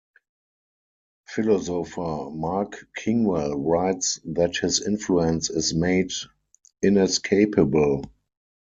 Philosopher Mark Kingwell writes that his influence is made inescapable.